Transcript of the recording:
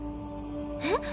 えっ？